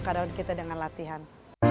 kadang kita dengan latihan